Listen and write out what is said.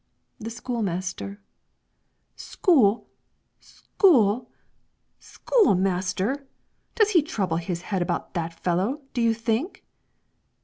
"The school master." "School school school master. Does he trouble his head about that fellow, do you think?"